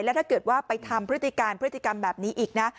ถ้าเกิดว่าไปทำพฤติการพฤติกรรมแบบนี้อีกนะ